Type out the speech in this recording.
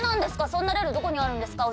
そんなルールどこにあるんですか？